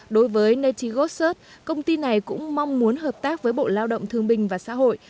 đối với natigo search công ty này cũng mong muốn hợp tác với bộ lao động thương bình và xã hội